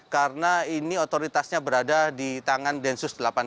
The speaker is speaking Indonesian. karena ini otoritasnya berada di tangan densus delapan puluh delapan